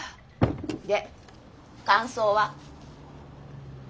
で感想は？